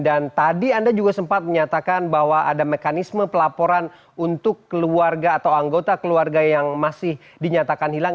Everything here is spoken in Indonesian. tadi anda juga sempat menyatakan bahwa ada mekanisme pelaporan untuk keluarga atau anggota keluarga yang masih dinyatakan hilang